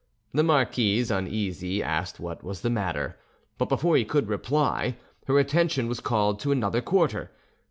The marquise, uneasy, asked what was the matter; but before he could reply, her attention was called to another quarter.